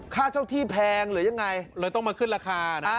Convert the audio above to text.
ค่าเช่าที่แพงหรือยังไงเลยต้องมาขึ้นราคานะ